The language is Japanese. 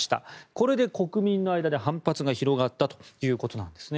これで国民の間で反発が広がったということです。